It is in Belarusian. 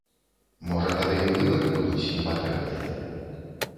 Можа, тады і выбары будуць не патрэбныя?